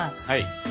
はい。